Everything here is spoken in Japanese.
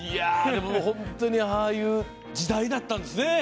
本当にああいう時代だったんですね。